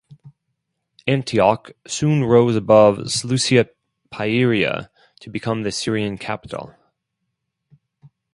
Antioch soon rose above Seleucia Pieria to become the Syrian capital.